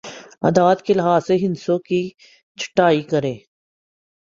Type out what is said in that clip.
اعداد کے لحاظ سے ہندسوں کی چھٹائی کریں